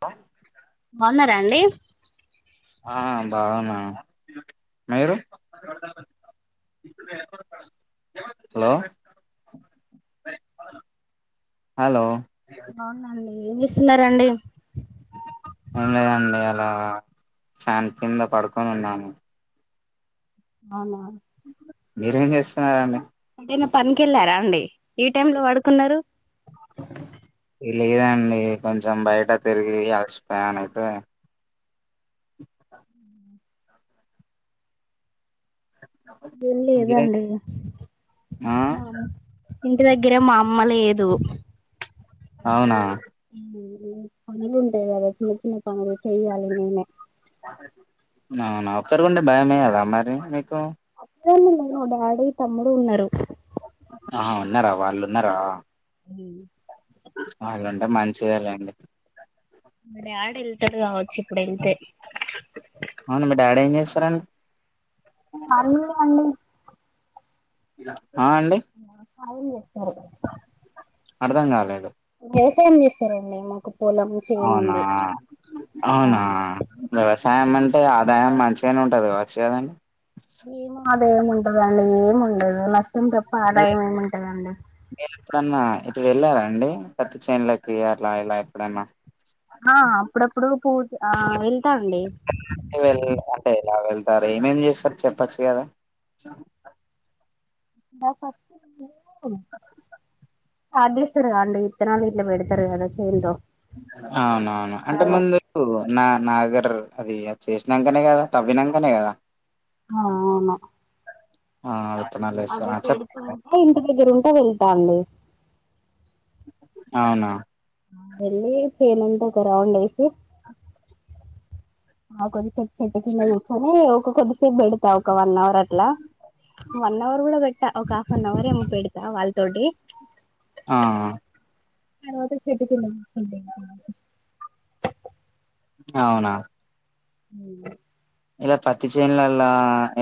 బా బాగున్నారా అండి ఆ బాగున్నాను మీరు హలో హలో బాగున్న అండి ఏం చేస్తున్నరండి ఏం లేదండి. అలా ఫ్యాన్ కింద పడుకొని ఉన్నాను అవునా మీరేం చేస్తున్నారండి ఏటైనా పనికి వేళ్ళారా అండి ఈ టైంలో పడుకున్నారు లేదండి కొంచెం బయట తిరిగి అలసిపోయా అయితే [unintelligible] ఏం మీరే లేదండి ఆ మామ్ ఇంటి దగ్గరే మా అమ్మ లేదు అవునా పనులు ఉంటాయి. కదా చిన్న చిన్న పనులు చెయ్యాలి నేనే అవునా ఒక్కరూ ఉంటే భయమేదా మరి మీకు లేదండి మా డాడీ తమ్ముడు ఉన్నారు ఆ ఉన్నారా వాళ్ళు ఉన్నారా ఉ అలాంటే మంచిదేలేండి మీ డాడ్ ఎళ్తడు గావ అవును మీ డాడ్ ఏం చేస్తారండి అరయు వాళ్ళు ఆ అండి సాయం చేస్తారు. అర్థం గాలేదు వ్యవసాయం చేప్పారండి. మాకు పొలం చేను అవునా ఉంది ఆ అవునా వ్యవసాయ ఇమ్మంటే ఆదాయం మంచిగానే ఉంటదికావచ్చు కదండి ఏమి అదాయం ఉంటదండి ఏమి ఉండదు ల తం తప్ప ఆదాయం ఏముంటదండి. మీరు ఎప్పుడన్నా ఇటు వెళ్లార అండి పత్తిచేన్లకి అలా ఇలా ఎప్పుడన్నా ఆ అప్పుడప్పుడు పుత్ ఆ వె వెళ్ళనట్టే వెళ్ళిఅంటే ఎలా వెళ్తారు ఏమేమ్ చేస్తారు చెప్పచ్చు కదా బై ప పాతేస్తారుగా అండి ఇత్తనాలు ఇట్ల పెడతారు కదా చెల్లో అవునవును అంటే ముందు నా నాగర్ అది చేసినాకనే కదా తవ్వినాకనే కదా ఆ అవును ఆ అ అది పెడుతుంటే ఇంటి దగ్గర ఉంటే వెళ్తాండి అవునా వెళ్ళి చెను అంత ఒక రౌండు ఎసి ఆ కొద్దిసేపు చెట్టు కింద కూర్చొని ఒక కొద్దిసేపు బెడతా ఒక వన్ అవర్ అట్లా వన్ అవర్ గూడా బెట్టా ఒక హాఫ్ అన్ అవర్ పెడతా వాళ్ తోటి ఆ తరువాత చెట్టు కింద కూర్చుంట అవునా హ్మ్ ఇలా పత్తి చేనులల్లా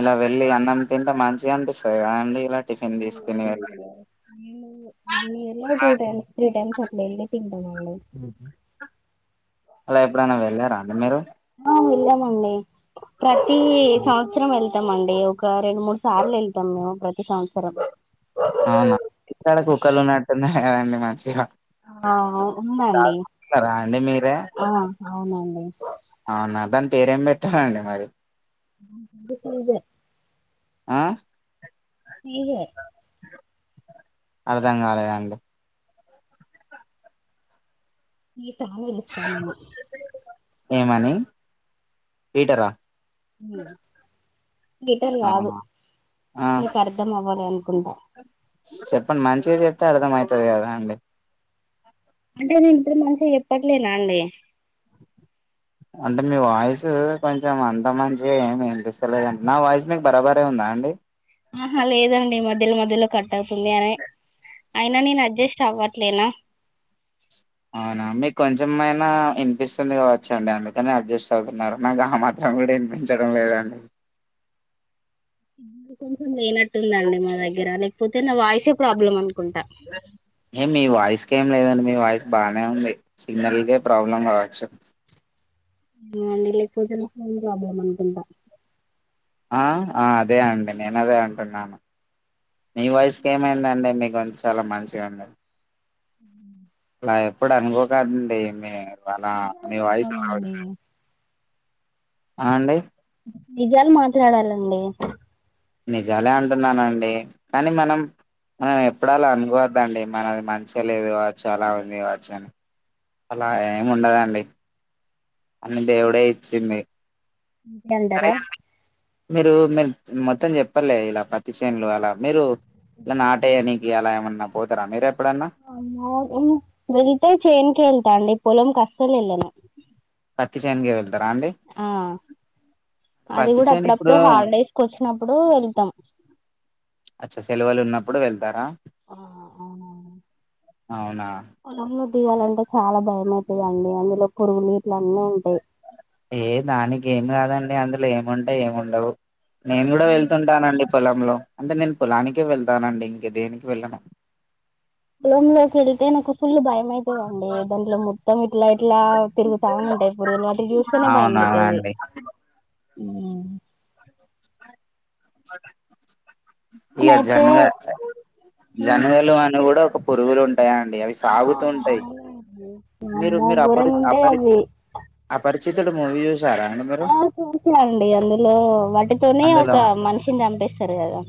ఇలా వెళ్ళి అన్నం తింటే మంచిగా అనిపిస్తది కదండి అలా ఆ, టిఫిన్ తీస్కుని వెళ్ళ అవునండి. నేను వన్ ఇయర్ లో టూ టైమ్ త్రీ టైమ్ అట్ల తింటాం అండి అలా ఎప్పుడైనా వెళ్ళారా అండి మీరు అండి ప్రతి సంవత్సరం వెళ్ తంమండి ఒక రెండు మూడు సార్లు వెళ్తాం మేము ప్రతి సంవత్సరం అవునా ఇక్కడ కుక్కలు ఉన్నట్టున్నాయి కదండి మంచిగా ఆ ఉందండి చదువుకుంటున్నారా అండి మీరే ఆ అవునండి అవునా దాని పేరేం పెట్టారండి మరి దిక్‌లుజ ఆ నెహర్ అర్ధం కాలేదండి ఈ తాళం ఎస్తన ఏమని పీటరా పీటర్ గాదు అవునా ఆ మీకు అర్ధం అవ్వలే అనుకుంటా చెప్పండి మంచిగా చెప్తే అర్థం అయితది కదా అండి అంటే నేను ఇంతకి మంచిగా చెప్పట్లేనా అండి అంటే మీ వాయిస్ కొంచెం అంత మంచిగా ఏమి వినిపిస్తలేదండి నా వాయిస్ మీకు బరాబరే ఉందా అండి ఆహా లేదండి మధ్యలో మధ్యలో కట్వుతుంది అనే అయినా నేను అడ్జస్ట్ అవ్వట్లేనా అవునా మీకు కొంచెంమైనా ఇనిపిస్తుంది కావచ్చ అండి అందుకని అడ్జస్ట్ అవుతున్నారు నాకు ఆ మాత్రం వినిపించడం లేదండి సిగ్నల్ కొంచెం లేనట్టుందండి మా దగ్గర లే హే మీ వాయిస్ ఇకేం లేదండి మీ వాయిస్ బానే ఉంది సిగ్నల్దే ప్రాబ్లం కావచ్చు అవునండి లేకపోతే నెట్వర్క్ ప్రాబ్లం అనుకుంటా ఆ ఆ అదే అండి నేను అదే అంటున్నాను మీ వయస్కి ఏమైందండి మీకు గొంతు చాలా మంచిగా ఉందండి మ్మ్మ్మ్ అలా ఎప్పుడు అనుకోకదండి మీరు అలా నిజాలు మీ వాయిస్ అలా ఉంది చెప్పాలండి అని ఆ అండి నిజాలు మాట్లాడాలండి నిజాలే అంటున్నానండి కానీ మనం మనం ఎప్పుడలా అనుకోవద్ద అండి మనది మంచిగా లేదు కావ్వచ్చు అలా ఉంది కావచ్చు అని అలా ఏమి ఉండదండి అని దేవుడే ఇచ్చింది అంతే సరే అంటారా మీరు మీరు మొత్తం చెప్పలే ఇలా పతిసేనులు అలా మీరు ఇట్లా నాట్యనీకి ఎలా ఏమైన్నా పోతురా మీరే వెిళతే చేన్కి వెళ్తా అండి పొలం కష్ట అసలు వెళ్లనూ పత్తి చేనుకి వెళ్తారా అండి ఆ అది పత్తి కూడా చేను అప్పుడప్పుడు ఇప్పుడు హాలిడేస్ కి వచ్చినప్పుడు వెళ్తాం అచ్చా సెలవులు ఉన్నప్పుడు వెళ్తారా ఆ ఆ అవునా తీీయవాలంటే చాలా భయంమవుతుందిండి అందులో పురుగు నీట్లు అన్నీ ఉంటాయి ఏ దానికి ఏమి కాదండి అందులో ఏముంటాయి ఎం ఉండవ్ నేను కూడా అవును. వెళ్తుంటానండి పొలంలో అంటే నేను పొలానికి వెళ్తానండి ఇంక దేనికి వెళ్ళను పొలం లోకి వెళ్తే నాకు ఫుల్ భయం అవుతుందండి దాంట్లో మొత్తం ఇట్లా ఇట్లా తిరుగుతా ఉంటాయి పురుగులు వాటి చూస్తేనే భయం అవునా అండి మ్మ్ ఇక అయితే జనగా జనగలు అని కూడా ప్పుొరుగులు ఉ మీరు వామ్మో మీరు అపరి ఘోరంగా ఉంటాయి అపరి అవి అపరిచితుడు మూవీ చూసారా అండి మీరు చూసినా అండి అందులో వాటి తోటి ఒక అందులో మనిషిని చంపేస్తారు కదా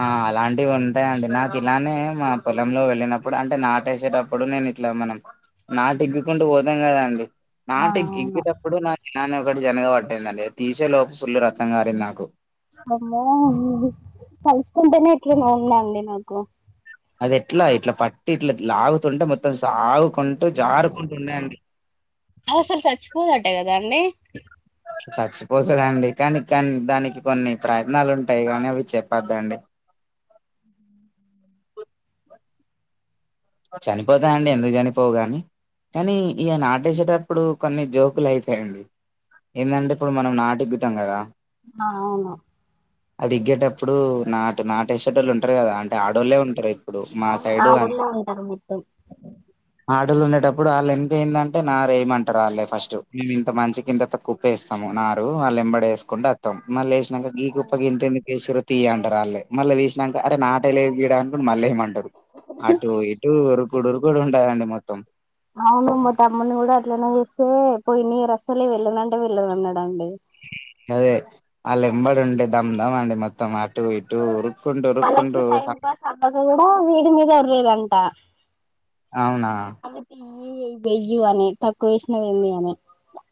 అలాంటివి ఊ ఉంటాయి అండి నాకు ఇలానే మా పొలంలో వెళ్ళినప్పుడు అంటే నాటేసేటప్పుడు నేను ఇట్లా మనం నాటి ఎగ్గుకుంటూ పోదాం కదాండి ఆ నాటి అవును ఎగ్గేటప్పుడు నా నను ఒకటి జనగా పాటింది అండి అది తీసే లోపు ఫుల్ రక్తం కారింది నాకు అమ్మో తలుసుకుంటేనే ఎట్లనో ఉందండి నాకు అది ఎట్లా ఇట్లా పట్టి ఇట్లా లాగుతుంటే మొత్తం సాగు కుంటూ జారుకుంటుండేయండి అది అసలు చచ్చిపోదట కదా అండి సచ్చి వసదండి కానీ కానీ దానికి కొన్ని ప్రయత్నాలు ఉంటాయి కానీ అవి చెప్పద్దండి అ చనిపోతా అండి ఎందుకు చనిపోవుగాని కానీ ఇగా నాటేసేటప్పుడు కొన్ని జోకులు అయితాయండి ఏంటంటే ఇప్పుడు మనం నాటుఇగ్గుతం కదా ఆ అవును అది ఇగ్గేటప్పుడు నాటు నాటే ఉంటారు కదా అంటే ఆడోళ్లే ఉంటారు ఇప్పుడు మా అవును సైడు అ ఆడోళ్ళే ఉంటారు మొత్తం ఉండేటప్పుడు వాళ్లంత ఏందంటే నారయ్యమంటారు వాళ్ళ ఫస్ట్ మేము ఇంత మంచికి ఇంత కుప్పేస్తాము నారు వాళ్ళేం బడే వేసుకుంటా వస్తాం మళ్ళ నక గీ గుప్ప గింత ఎందుకేషిర్రు తీయ అంటారు వాళ్లే మళ్ళ తీసినంక అరే నాటే లేదు గీడ అనీ మళ్ళ అంటారు అటు ఇటు ఉరుకుడు ఉరుకుడు ఉంటదండి మొత్తం అవును మ తమ్మని కూడా అట్లనే చేస్తే పోయిన ఇయర్ అస్సలే వెళ్ళనంటే వెళ్ళను అన్నాడండి అదే ఆల్లెంబడి ఉంటే దమ్దం అండి మొత్తం అటు ఇటు ఊరు వాళ్ళకి టైం పాస్ అవ్వక కూడా వీడి మీద వర్రేదంట అవునా వేయ్యి అని తక్కువ వేసినావు ఎంది అని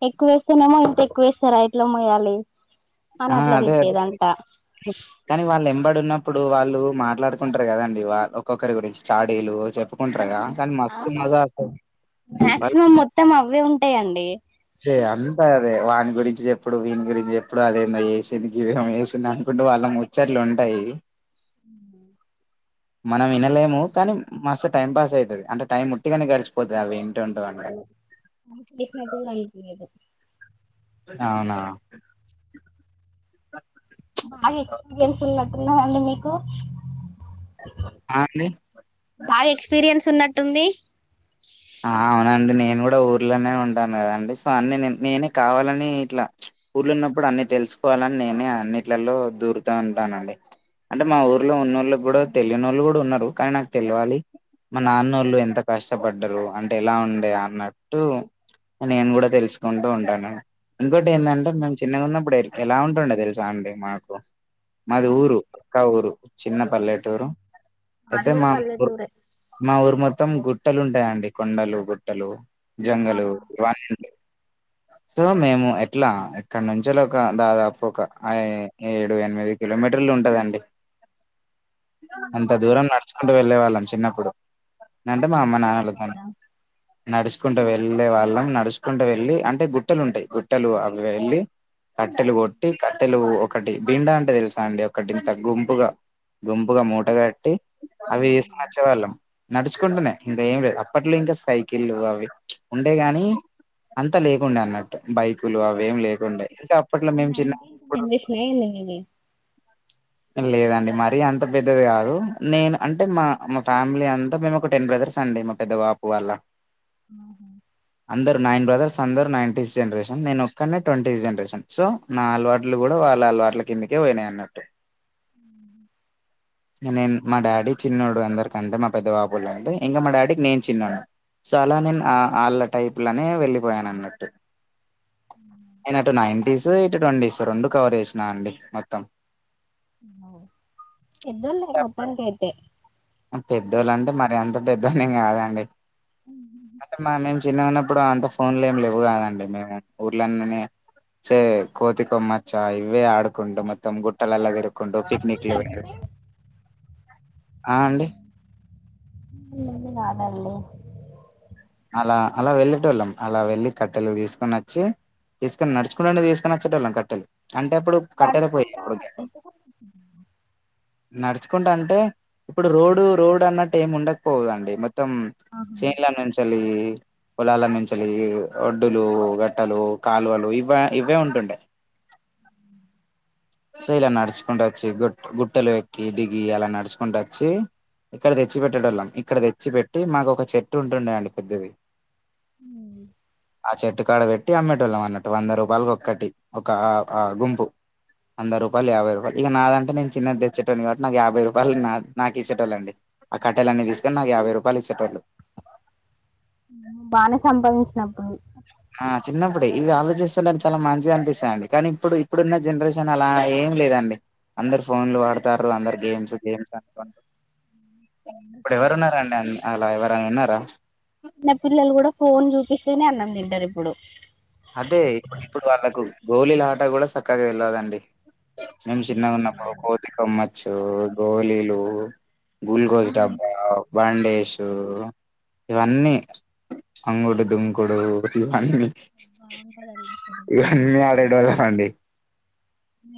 ఎక్కుస్తేనేమో ఇంతెక్కువ ఇస్తారా ఎట్ల మొయ్యాలి ఆ అదే అదే కానీ వాళ్ళు ఎంబడు ఉన్నప్పు ప్పుడు వాళ్ళు మాట్లాడుకుంటారు కదండి వా ఒక్కొక్కరి గురించి చాడీలు చెప్పుకుంటారుగా కానీ మస్తు అవును మజా వస్తది మాక్సిమం మొత్తం అవ్వే ఉంటాయండి అదే అంతా అదే వాని గురించి చెప్పుడు వీని గురించి చెప్పుడు అదేందో చేసింది గిది ఏమో చేసి వాళ్ళ ముచ్చట్లు ఉంటాయి ఉ మనం వినలేము కానీ మస్తు టైం పాస్ అవుతుంది అంటే టైం ఉట్టిగానే గడిచిపోతది అవి ఇ అవును అవునా బాగా ఎక్స్పీరియన్స్ ఉన్నట్టున్నాదండి మీకు ఆ అండి బాగా ఎక్స్పీరియన్స్ ఉన్నట్టుంది అవునండి నేను కూడా ఊర్లోనే ఉంటాను కదండి సో అన్ని నేనే కావాలని ఇట్లా ఊర్ల ఉన్నప్పుడు అన్ని తెలుసుకోవాలని నేనే అన్నింటిలో దూరుతూ ఉంటానండి అంటే మా ఊర్లో ఉన్నోళ్ళకి కూడా తెలియనోళ్ళు కూడా ఉన్నారు కానీ నాకు తెలివాలి మా నాన్నోళ్ళు ఎంత కష్టపడ్డరు అంటే ఎలా ఉండే అన్నట్టు నేను కూడా తెలుసుకుంటూ ఉంటాను ఇంకోటి ఏందంటే మేము చిన్నగా ఉన్నప్పుడు ఎలా ఉంటుండే తెలుసా అండి మాకు మాది ఊరు పక్క ఊరు చిన్నపల్లెటూరు మాది అయితే కూడా పల్లెటూరే మా ఊరు మొత్తం గు గుట్టలు ఉంటాయండి కొండలు గుట్టలు జంగలు ఆహా ఇవన్నీ [inaudible] సో మేము ఎట్లా ఇక్కడ నుంచీ ఒక దాదాపు ఒక ఏడు ఎనిమిది కిలోమీటర్ ఉంటదండి [inaudible] అంత దూరం నడుచుకుంటూ వెళ్ళే వాళ్ళం చిన్నప్పుడు లేదంటే మా అమ్మ నాన్నలతోని నడుచుకుంటూ వెళ్ళే వాళ్ళం నడుచుకుంటూ వెళ్ళి అంటే గుట్టలు ఉంటాయి గుట్టలు అవి వెళ్ళి కట్టెలు కొట్టి కట్టెలు ఒకటి బిండా అంటే తెలుసా అండి ఒకటి ఇంత గుంపుగా గుంపుగా మూటగాట్టి అవి తీసుకు నచ్చేవాళ్ళం నడుచుకుంటునే ఇంక ఏం లేదు అప్పట్లో ఇంకా సైకిళ్లు అవి ఉండే గాని అంతా లేకుండే అన్నట్టు బైక్ క్కులు అవేం లేకుండా అంటే అప్పట్లో మేము చిన్న జనరేషన్ అయింది మీది లేదండి మరీ అంత పెద్దది కాదు నేను అంటే మా మా ఫ్యామిలీ అంతా మేము ఒక టెన్ బ్రదర్ సండే మా పెద్ద బాపు వాళ్ళ మ్మ్ అందరు నైన్ బ్రదర్స్ అందరు నైన్టీత్ జనరేషన్ నేను ఒక్కడినే ట్వంటీ జనరేషన్ సో నా అలవాటులు కూడా వాళ్ళ అలవాట్ల కిందకే పోయినాయి అన్నట్టు నేను మా డాడీ చిన్నోడు అందరికంటే మా పెద్ద బాబు కంటే ఇంకా మా డాడీకి నేను చిన్నా సో అలా నేను వాళ్ళ టైప్ లోనే వెళ్ళిపోయాను అన్నట్టు నేను అటు నైన్టీస్ ఇటు ట్వంటీస్ రెండు కవర్ చేసినానండి మొత్తం పెద్దోళ్ళు మొత్తానికయితే పెద్దోళ్ళ అంటే మరి ఎంత పెద్దోళ్ళేం కాదండి అంటే మా మేము చిన్నోళ్ళం ఇప్పుడు అంత ఫోన్లు ఏమి లేవు కదండి మేము ఊర్లెంబడే చే కోతి కొమ్మచ్చ్చో ఇవే ఆడుకుంటాం మొత్తం గుట్టలల్లో తిరుగు కొంటో పిక్నిక్ [unintelligible] [inaudible] అలా అలా వెళ్ళేటోల్లం అలా వెళ్లి కట్టెలు తీసుకుని వచ్చి తీసుకని నడుచుకుంటనే తీసుకుని నచ్చే వాళ్ళం కట్టెలు అంటే అప్పుడు కట్టెల పొయ్యి అప్పటికే నడుచుకుంటా అంటే ఇప్పుడు రోడ్ రోడ్ అన్నట్టు ఏమి ఉండకపోదండి మొత్తం చెన్లొ నుంచిళ్ళ పొలాల నుంచి వెళ్ళి ఒడ్డులు, గట్టలు, కాలువలు ఇవే ఇవే ఉంటుండే సో ఇలా నడుచుకుంట వచ్చి గు గుట్టలు ఎక్కి, దిగి అలా నడుచుకుంట వచ్చి ఇక్కడ తెచ్చిపెట్టేడొళ్ళం ఇక్కడ తెచ్చి పెట్టి మాకు ఒక చెట్టు ఉంటుండే అండి పెద్దది ఆ చెట్టుకాడ వెట్ ట్టి అమ్మేటోల్లం అన్నట్టు వంద రూపాయలకి ఓక్కటి ఒక గుంపు వంద రూపాయలు, యాభై రూపాయలు ఇక నాదంటే నేను చిన్నది తెచ్చేటోడ్ని నాకు యాభై రూపాయలు నాకు ఇచ్చేటోళ్ళండి ఆ కట్టెలన్నీ తీసుకొని నాకు యాభై రూపాయలు ఇచ్చేటోళ్ళు బానే సంపాదించినప్పుడు ఆ చిన్నప్పుడే ఇవి ఆలోచిస్తుంటె చాలా మంచిగా అనిపిస్తాదిండి. కానీ ఇప్పుడు ఇప్పుడున్న జనరేషన్ అలా ఏం లేదండి అందరు ఫోన్లు వాడతారు. అందరు గేమ్స్ గేమ్స్ అ ఇప్పుడు ఎవరు ఉన్నారండి అలా ఎవరైనా ఉన్నారా నా పిల్లలు కూడా ఫోన్ చూపిస్తేనే అన్నం తింటారు ఇప్పుడు అంటే ఇప్పుడు ఇప్పుడు వాళ్ళకు గోలిలాట కూడా సక్కగా తెల్వదండి మేము చిన్నగా ఉన్నప్పుడు కోతి కొమ్మచ్చు, గోలీలు గ్ూకోజ్ డబ్బా బండేసు ఇవన్నీ అంగడు దుంకోడు ఇన్న [inaudible] ఆడేటోళ్ళం అండి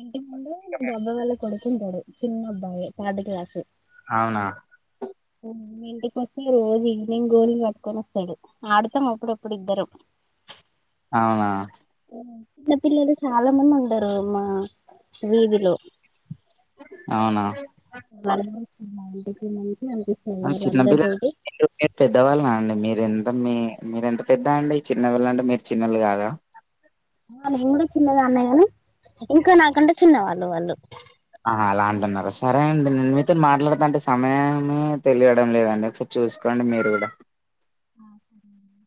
ఇంటి ముందు [unintelligible] కొడుకుంటాడు చిన్నబ్బాయి థర్డ్ క్లాసు అవునా ఇంటికి వచ్చి రోజు ఈవినింగ్ గోలీలు పట్టుకొని వస్తాడు ఆడతాం అప్పుడప్పుడు ఇద్దరం అవునా చిన్న పిల్లలు చాలా మంది ఉండరు అమ్మా అవునా భయమేస్తుందండీ [inaudible] చిన్న పిల్లలు పెద్దవాళ్ళనా అండి మీరెంత మీ మీరంటే పెద్ద అండి చిన్నవాళ్ళు అంటే మీరు చిన్నళ్ళు కాదా మేము కూడా చిన్నదాన్నే కదా, కానీ నాకంటే చిన్నవాళ్ళు వాళ్ళు ఆ అలా అంటున్నారు సరే అండి నేను మీతో మాట్లాడతా అంటే సమయమే తెలియడం లేదండి చూసుకోండి మీరు కూడా ఆ సరే అండి